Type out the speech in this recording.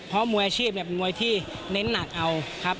เพราะมวยอาชีพเนี่ยเป็นมวยที่เน้นหนักเอาครับ